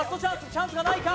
チャンスがないか？